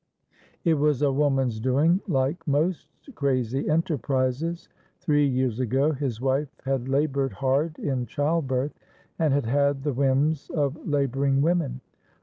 It was a woman's doing, like most crazy enterprises. Three years ago his wife had labored hard in childbirth, and had had the whims of laboring women.